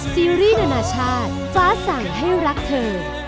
ซีรีส์นานาชาติฟ้าสั่งให้รักเธอ